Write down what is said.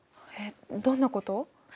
えっどんなこと？